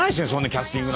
キャスティング。